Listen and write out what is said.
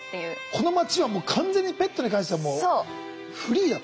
この町はもう完全にペットに関してはもうフリーだと。